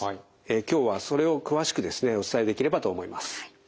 今日はそれを詳しくですねお伝えできればと思います。